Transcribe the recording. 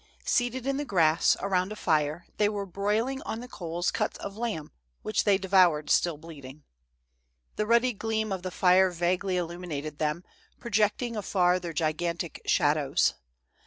Seated in the grass, around a fire, they were broiling on the coals, cuts of lamb, which they devoured still bleeding. The ruddy gleam of the fire vaguely illumi nated them, projecting afar their gigantic shadows.